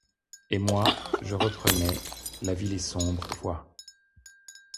Et moi, je reprenais : la ville est sombre, vois.